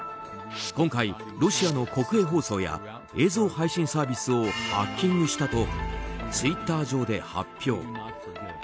今回、ロシアの国営放送や映像配信サービスをハッキングしたとツイッター上で発表。